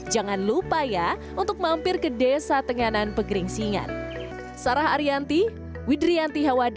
jangan lupa ya untuk mampir ke desa tenganan pegering singan